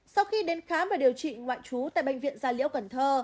sau khi đến khám và điều trị ngoại trú tại bệnh viện gia liễu cần thơ